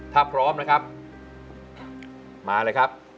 ถ้าพร้อมนะครับมาเลยครับ